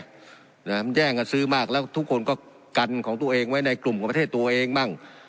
มันแย่งกันซื้อมากแล้วทุกคนก็กันของตัวเองไว้ในกลุ่มของประเทศตัวเองบ้าง